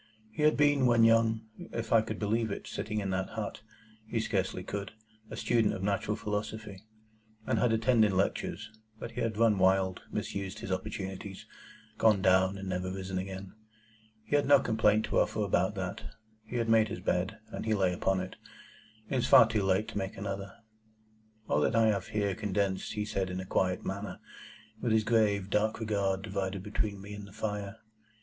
He had been, when young (if I could believe it, sitting in that hut,—he scarcely could), a student of natural philosophy, and had attended lectures; but he had run wild, misused his opportunities, gone down, and never risen again. He had no complaint to offer about that. He had made his bed, and he lay upon it. It was far too late to make another. [Picture: The signal man] All that I have here condensed he said in a quiet manner, with his grave, dark regards divided between me and the fire.